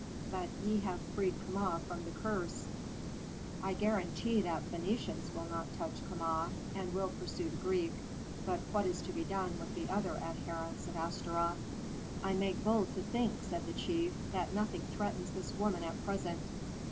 "But ye have freed Kama from the curse." "I guarantee that Phœnicians will not touch Kama, and will pursue the Greek. But what is to be done with the other adherents of Astaroth?" "I make bold to think," said the chief, "that nothing threatens this woman at present.